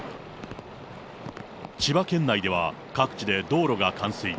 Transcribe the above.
千葉県内では、各地で道路が冠水。